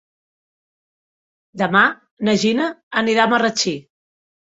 Demà na Gina anirà a Marratxí.